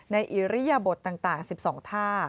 ในอิริยบทต่างสิบสองท่า